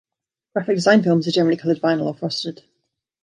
Graphic design films are generally colored vinyl or frosted.